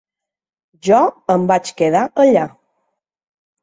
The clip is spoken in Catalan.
Jo em vaig quedar allà.